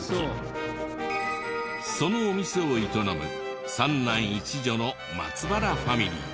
そのお店を営む３男１女の松原ファミリー。